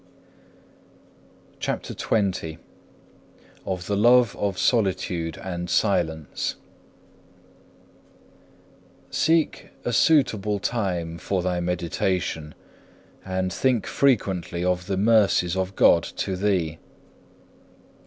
CHAPTER XX Of the love of solitude and silence Seek a suitable time for thy meditation, and think frequently of the mercies of God to thee.